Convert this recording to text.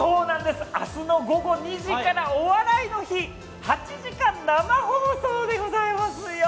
明日の午後２時から「お笑いの日」８時間生放送でございますよ。